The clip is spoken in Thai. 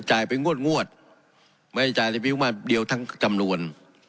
๖๓๑๗๐จ่ายไปงวดงวดไม่ได้จ่ายในวิธีภูมิภาพเดียวทั้งจำนวน